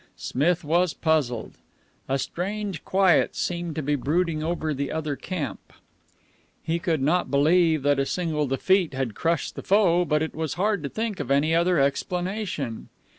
Smith was puzzled. A strange quiet seemed to be brooding over the other camp. He could not believe that a single defeat had crushed the foe, but it was hard to think of any other explanation.